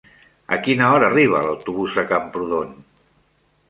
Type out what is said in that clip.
A quina hora arriba l'autobús de Camprodon?